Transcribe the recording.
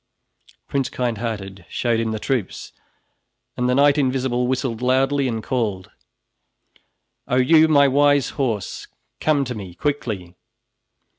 Prince Kindhearted showed him the troops, and the Knight Invisible whistled loudly and called: "Oh you, my wise horse, come to me quickly!"